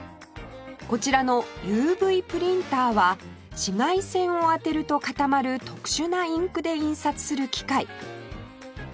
こちらの ＵＶ プリンターは紫外線を当てると固まる特殊なインクで印刷する機械